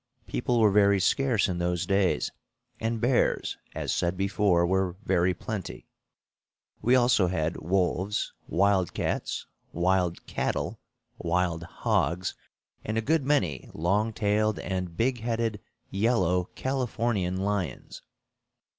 People were very scarce in those days, and bears, as said before, were very plenty. We also had wolves, wild cats, wild cattle, wild hogs, and a good many long tailed and big headed yellow Californian lions.